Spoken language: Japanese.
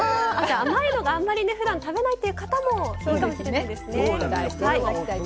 甘いのを、あまりふだん食べないという方もいいかもしれないですね。